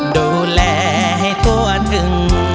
ดูแลให้ตัวหนึ่ง